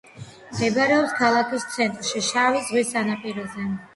მდებარეობს ქალაქის ცენტრში, შავი ზღვის სანაპიროზე.